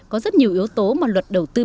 có rất nhiều yếu tố mà luật đầu tư